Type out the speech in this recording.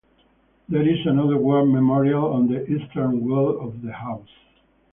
There is another war memorial on the eastern wall of the house.